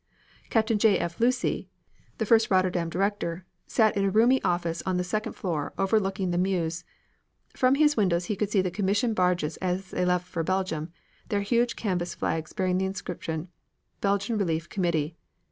Captain J. F. Lucey, the first Rotterdam director, sat in a roomy office on the second floor overlooking the Meuse. From his windows he could see the commission barges as they left for Belgium, their huge canvas flags bearing the inscription "Belgian Relief Committee."